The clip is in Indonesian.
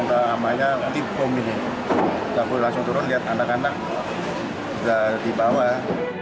waktu itu aku langsung turun aku langsung turun lihat anak anak di bawah